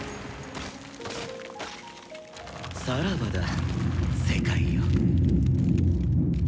さらばだ世界よ。